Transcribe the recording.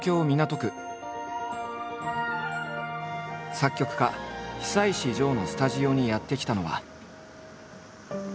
作曲家久石譲のスタジオにやって来たのは。